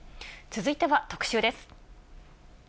続いては特集です。